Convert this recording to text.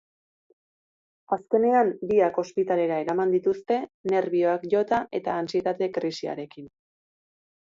Azkenean, biak ospitalera eraman dituzte, nerbioak jota eta antsietate krisiarekin.